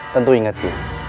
tentu ingat ibu